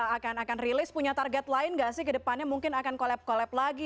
akan rilis punya target lain gak sih ke depannya mungkin akan collab collab lagi